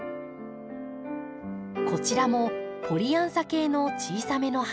こちらもポリアンサ系の小さめの花。